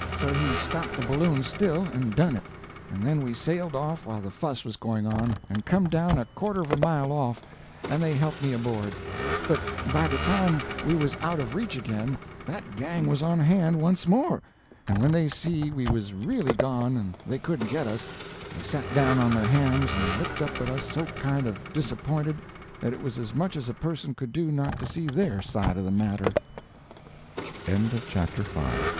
So he stopped the balloon still, and done it, and then we sailed off while the fuss was going on, and come down a quarter of a mile off, and they helped me aboard; but by the time we was out of reach again, that gang was on hand once more. And when they see we was really gone and they couldn't get us, they sat down on their hams and looked up at us so kind of disappointed that it was as much as a person co